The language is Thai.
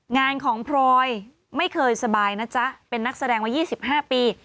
งานของพลอยไม่เคยสบายนะจ๊ะเป็นนักแสดงมา๒๕ปี